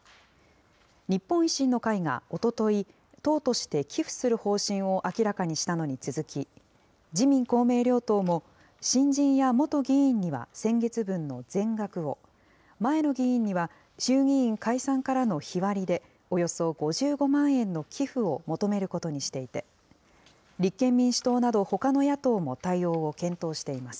日本維新の会がおととい、党として寄付する方針を明らかにしたのに続き、自民、公明両党も、新人や元議員には先月分の全額を、前の議員には衆議院解散からの日割りでおよそ５５万円の寄付を求めることにしていて、立憲民主党などほかの野党も対応を検討しています。